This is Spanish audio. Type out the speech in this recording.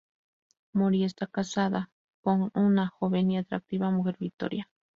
Mori está casada con una joven y atractiva mujer, Vittoria.